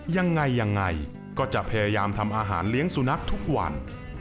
ยังไงยังไงก็จะพยายามทำอาหารเลี้ยงสุนัขทุกวัน